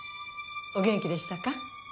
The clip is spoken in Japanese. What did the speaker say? お元気でしたか？